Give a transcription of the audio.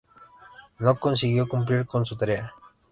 No consiguió cumplir con su tarea.